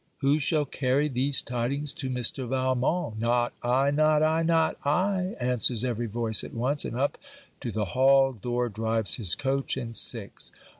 _ Who shall carry these tidings to Mr. Valmont? Not I! not I! not I! answers every voice at once; and up to the hall door drives his coach and six.